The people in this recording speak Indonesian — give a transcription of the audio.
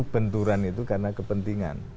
benturan itu karena kepentingan